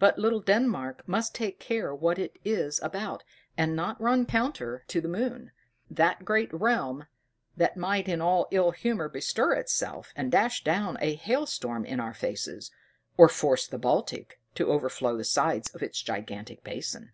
But little Denmark must take care what it is about, and not run counter to the moon; that great realm, that might in an ill humor bestir itself, and dash down a hail storm in our faces, or force the Baltic to overflow the sides of its gigantic basin.